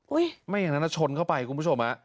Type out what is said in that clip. ไม่อย่างนั้นชนเข้าไปคุณผู้ชมฮะ